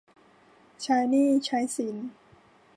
ใช้หนี้ใช้สิน